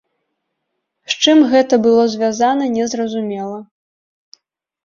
З чым гэта было звязана, незразумела.